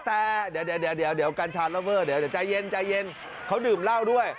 แต่เดี๋ยวกัญชาเลอเวอร์เดี๋ยวใจเย็นใจเย็นเขาดื่มเหล้าด้วย